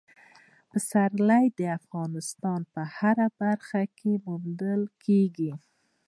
پسرلی د افغانستان په هره برخه کې موندل کېږي.